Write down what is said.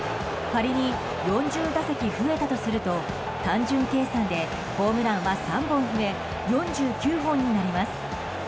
仮に４０打席増えたとすると単純計算でホームランは３本増え４９本になります。